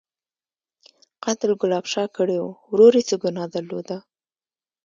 _قتل ګلاب شاه کړی و، ورور يې څه ګناه درلوده؟